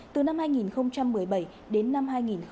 từ năm hai nghìn một mươi bảy đến năm hai nghìn hai mươi một